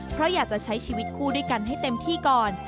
เพราะอยากจะใช้ชีวิตคู่ด้วยกันให้เต็มที่ก่อน